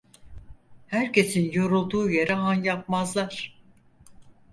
Herkesin yorulduğu yere han yapmazlar.